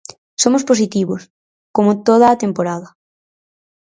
Somos positivos, como toda a temporada.